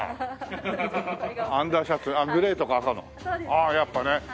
ああやっぱりね。